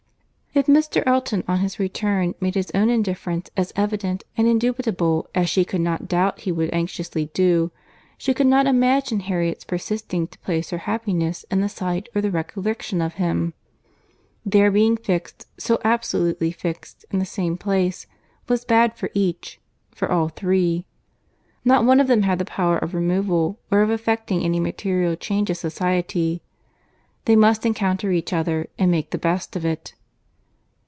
If Mr. Elton, on his return, made his own indifference as evident and indubitable as she could not doubt he would anxiously do, she could not imagine Harriet's persisting to place her happiness in the sight or the recollection of him. Their being fixed, so absolutely fixed, in the same place, was bad for each, for all three. Not one of them had the power of removal, or of effecting any material change of society. They must encounter each other, and make the best of it.